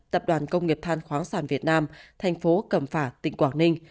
tập đoàn công nghiệp than khoáng sản việt nam thành phố cẩm phả tỉnh quảng ninh